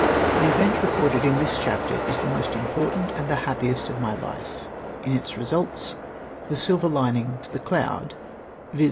The event recorded in this chapter is the most im portant and the happiest of my hfe, m its results, — the " silver lining " to the " cloud," viz.